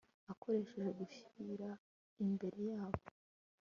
akoresheje gushyira imbere yabo